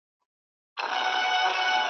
وګړي ډېر سول د نیکه دعا قبوله سوله .